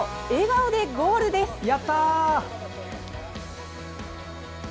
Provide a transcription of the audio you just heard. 笑顔でゴールです！